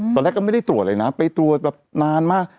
ตอนแรกก็ไม่ได้ตรวจเลยนะไปตรวจแบบนานมาก